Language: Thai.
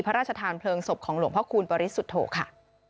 พระราชทานพลิงสมปาริสุทธิ์ค่ะ